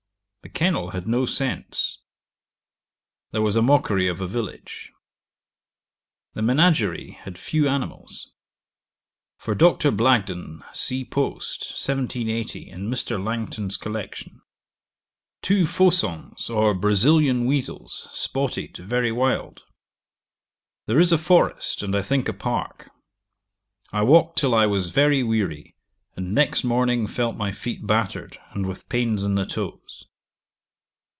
The kennel had no scents. There was a mockery of a village. The Menagerie had few animals. For Dr. Blagden see post, 1780 in Mr. Langton's Collection. Two faussans, or Brasilian weasels, spotted, very wild. There is a forest, and, I think, a park. I walked till I was very weary, and next morning felt my feet battered, and with pains in the toes.